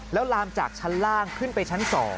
แล้วลามจากชั้นล่างขึ้นไปชั้น๒